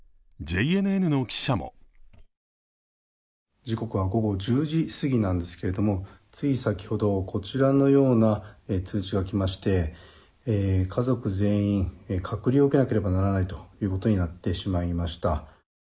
ＪＮＮの記者も時刻は午後１０時すぎですがつい先ほど、こちらのような通知が来まして、家族全員、隔離を受けなければならないということになってしまいました。